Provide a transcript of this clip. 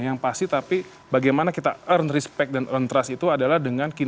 yang pasti tapi bagaimana kita earn respect dan earn trust itu adalah dalam satu setengah tahun ini